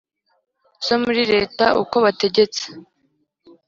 Zo muri Leta uko bategetse